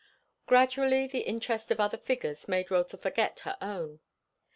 Gradually the interest of other figures made Rotha forget her own.